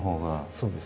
そうですね。